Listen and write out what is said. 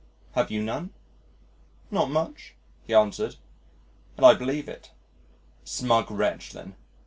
"Have you none?" "Not much," he answered, and I believe it. "Smug wretch, then.